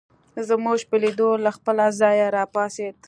زموږ په لیدو له خپله ځایه راپاڅېد.